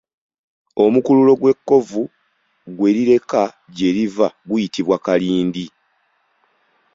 Omukululo ekkovu gwe lireka gye liva guyitibwa Kalindi.